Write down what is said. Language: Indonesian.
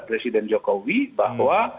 presiden jokowi bahwa